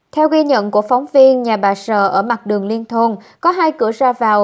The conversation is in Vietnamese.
theo ghi nhận của phóng viên nhà bà sở ở mặt đường liên thôn có hai cửa ra vào